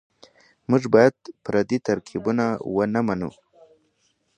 موږ بايد پردي ترکيبونه ونه منو.